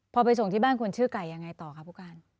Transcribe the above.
พอไปส่งที่บ้านคนชื่อไก่ยังไงต่อครับผู้การ